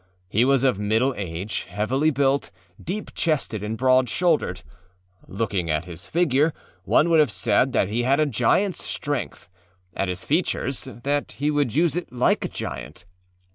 He was of middle age, heavily built, deep chested and broad shouldered. Looking at his figure, one would have said that he had a giantâs strength; at his features, that he would use it like a giant.